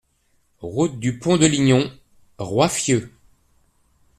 Route du Pont de Lignon, Roiffieux